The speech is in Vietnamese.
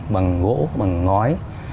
bằng gỗ bằng ngói